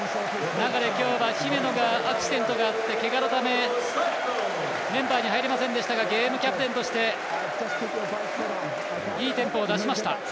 流は、今日は姫野がアクシデントがあってメンバーに入れませんでしたがゲームキャプテンとしていいテンポを出しました。